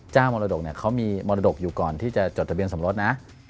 มรดกเขามีมรดกอยู่ก่อนที่จะจดทะเบียนสมรสนะ